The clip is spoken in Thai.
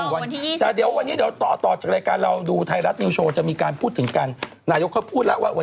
วันเดียววันถึง๒๐วัน